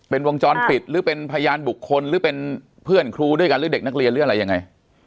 เป็นวงจรปิดหรือเป็นพยานบุคคลหรือเป็นเพื่อนครูด้วยกันหรือเด็กนักเรียนหรืออะไรยังไง